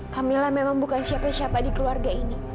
camillah memang bukan siapa siapa di keluarga ini